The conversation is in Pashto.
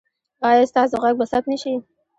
ایا ستاسو غږ به ثبت نه شي؟